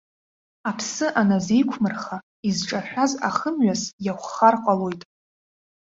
Аԥсы аназеиқәмырха, изҿашәаз ахымҩас иахәхар ҟалоит.